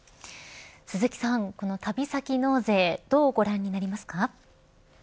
鈴木さん、この旅先納税どうご覧になりますか。